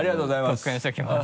特訓しておきます。